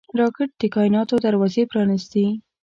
راکټ د کائناتو دروازې پرانېستي